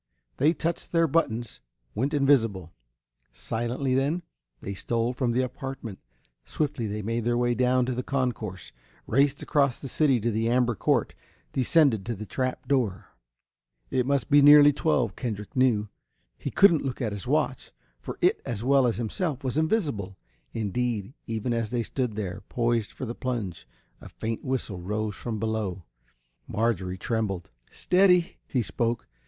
They touched their buttons, went invisible. Silently, then, they stole from the apartment. Swiftly they made their way down to the concourse, raced across the city to the amber court, descended to the trap door. It must be nearly twelve, Kendrick knew. He couldn't look at his watch, for it as well as himself was invisible. Indeed, even as they stood there, poised for the plunge, a faint whistle rose from below. Marjorie trembled. "Steady!" he spoke.